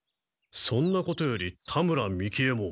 そんなことより田村三木ヱ門。